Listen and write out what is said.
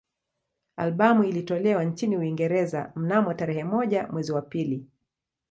Albamu ilitolewa nchini Uingereza mnamo tarehe moja mwezi wa pili